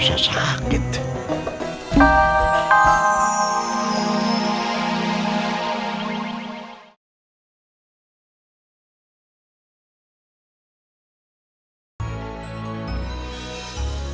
mari pak ustadz